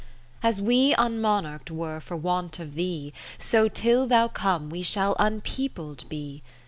As we unmonarch'd were for want of thee, So till thou come we shall unpeopled be.